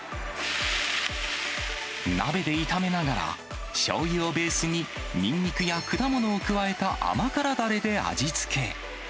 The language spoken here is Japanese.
鍋で炒めながら、しょうゆをベースに、ニンニクや果物を加えた甘辛だれで味付け。